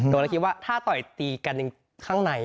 ก็เลยคิดว่าถ้าต่อยตีกันข้างใน